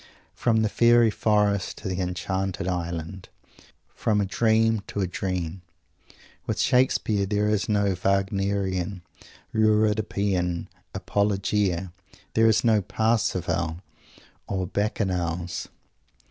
From the fairy forest to the enchanted island; from a dream to a dream. With Shakespeare there is no Wagnerian, Euripidean "apologia." There is no "Parsifal" or "Bacchanals."